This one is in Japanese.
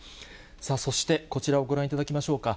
さあそして、こちらをご覧いただきましょうか。